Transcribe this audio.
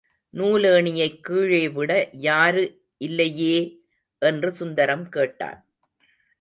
நூலேணியைக் கீழே விட யாரு இல்லையே! என்று சுந்தரம் கேட்டான்.